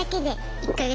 １か月？